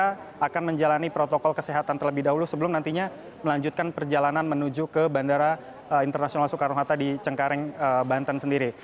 dan juga akan menjalani protokol kesehatan terlebih dahulu sebelum nantinya melanjutkan perjalanan menuju ke bandara internasional soekarno hatta di cengkareng banten sendiri